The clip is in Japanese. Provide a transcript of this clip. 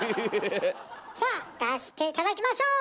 さあ出して頂きましょう！